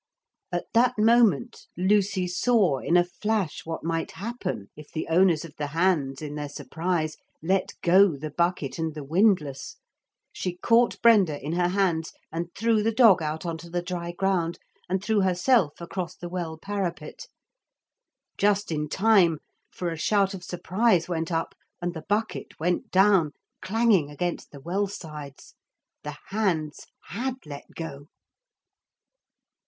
At that moment Lucy saw in a flash what might happen if the owners of the hands, in their surprise, let go the bucket and the windlass. She caught Brenda in her hands and threw the dog out on to the dry ground, and threw herself across the well parapet. Just in time, for a shout of surprise went up and the bucket went down, clanging against the well sides. The hands had let go.